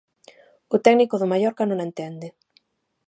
O técnico do Mallorca non a entende.